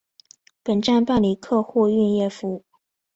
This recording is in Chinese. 本站办理客货运业务。